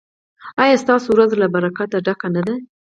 ایا ستاسو ورځ له برکته ډکه نه ده؟